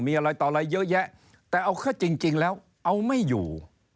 มีอะไรต่ออะไรเยอะแยะแต่เอาเข้าจริงแล้วเอาไม่อยู่